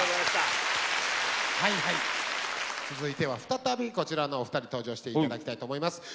続いては再びこちらのお二人登場して頂きたいと思います。